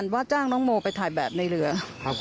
ไม่ใช่คุณแม่นะครับ